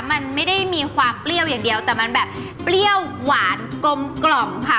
มันไม่ได้มีความเปรี้ยวอย่างเดียวแต่มันแบบเปรี้ยวหวานกลมกล่อมค่ะ